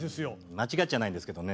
間違っちゃないんですけどね